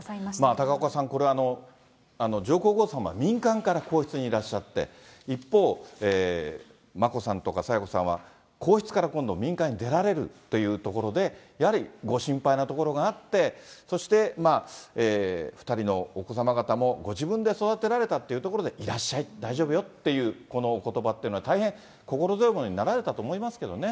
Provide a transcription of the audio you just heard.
高岡さん、これ、上皇后さま、民間から皇室にいらっしゃって、一方、眞子さんとか清子さんは皇室から今度、民間に出られるというところで、やはりご心配なところがあってそして２人のお子様方もご自分で育てられたというところで、いらっしゃい、大丈夫よっていうこのおことばっていうのは、大変心強いものになられたと思いますけれどもね。